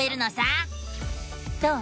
どう？